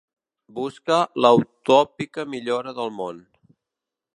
Busca la utòpica millora del món.